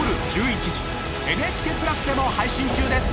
ＮＨＫプラスでも配信中です！